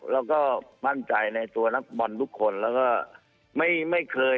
แล้วก็มั่นใจในตัวนักบอลทุกคนแล้วก็